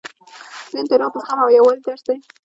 د هند تاریخ د زغم او یووالي درس دی.